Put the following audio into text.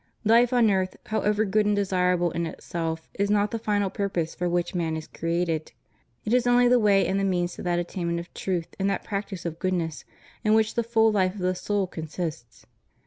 Life on earth, however good and desirable in itself, is not the final purpose for which man is created; it is only the way and the means to that attainment of truth and that practice of goodness in which the full life of the soul consists.